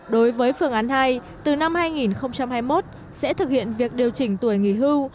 đối với phương án hai từ năm hai nghìn hai mươi một sẽ thực hiện việc điều chỉnh tuổi nghỉ hưu